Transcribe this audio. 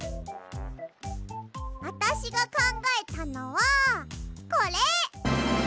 あたしがかんがえたのはこれ！